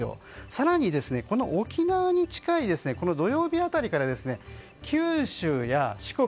更に、沖縄に近い土曜日辺りから九州や四国